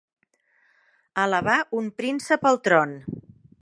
Elevar un príncep al tron.